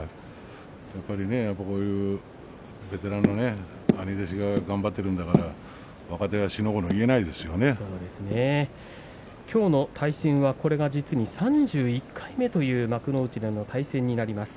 こういうベテランが兄弟子が頑張っているんだからきょうの対戦は３１回目という幕内での対戦になります。